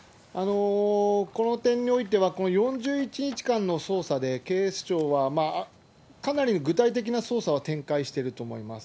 この点においては、この４１日間の捜査で、警視庁はかなり具体的な捜査は展開していると思います。